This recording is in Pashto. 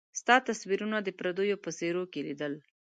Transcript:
ستا تصويرونه د پرديو په څيرو کي ليدل